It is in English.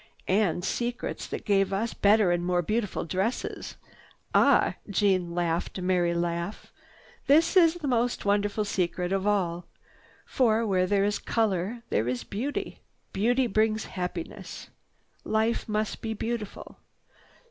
"And secrets that give us better and more beautiful dresses. Ah!" Jeanne laughed a merry laugh. "This is the most wonderful secret of all. For where there is color there is beauty. Beauty brings happiness. Life must be beautiful.